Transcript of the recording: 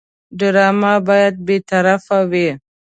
ډرامه باید بېطرفه وي